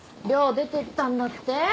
寮出ていったんだって？